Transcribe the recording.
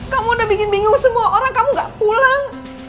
kamu udah bikin bingung semua orang kamu gak pulang